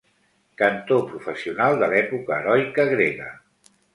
Cantor professional de l'època heroica grega.